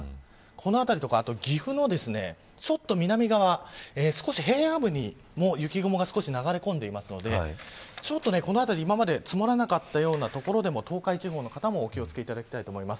この辺りとか岐阜のちょっと南側少し平野部にも雪雲が流れ込んでいるのでこの辺り今まで積もらなかったような所でも東海地方の方もお気を付けいただきたいと思います。